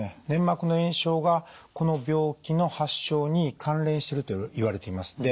粘膜の炎症がこの病気の発症に関連しているといわれています。